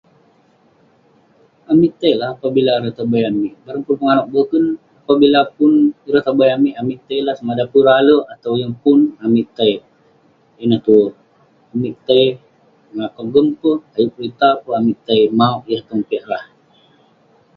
Amik tei la apabila ireh tobai amik, [unintelligible] kelunan boken apabila pun ireh tobai amik, amik tei lah. Samaada pun ireh alek atau yeng pun. Amik tei. Ineh tuek. Amik tei melakau gem ke, ayuk kerita ke, amik tei mouk yah tong piak rah.